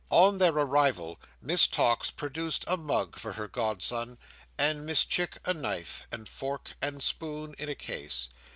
On their arrival Miss Tox produced a mug for her godson, and Mr Chick a knife and fork and spoon in a case.